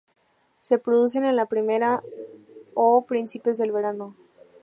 Se producen en la primavera o principios del verano.